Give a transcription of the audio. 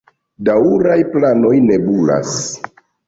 Daŭraj planoj nebulas.